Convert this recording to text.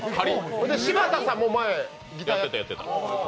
柴田さんも前、ギターやってた。